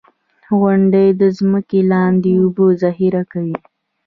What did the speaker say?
• غونډۍ د ځمکې لاندې اوبه ذخېره کوي.